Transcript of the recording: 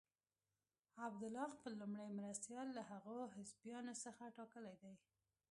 عبدالله خپل لومړی مرستیال له هغو حزبیانو څخه ټاکلی دی.